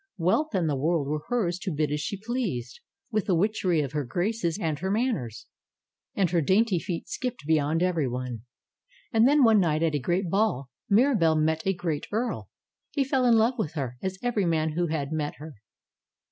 Wealth and the world were hers to bid as she pleased, with the witchery of her graces and her' manners. And her dainty feet skipped beyond everyone. And then one night at a great ball Mirabelle met a great earl. He fell in love with her, as every man had who had met her.